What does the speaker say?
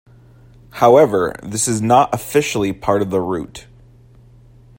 However, this is not officially part of the route.